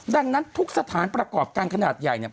ดังนั้นทุกสถานประกอบการขนาดใหญ่เนี่ย